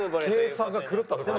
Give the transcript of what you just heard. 計算が狂ったぞこれは。